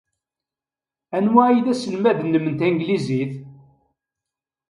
Anwa ay d aselmad-nnem n tanglizit?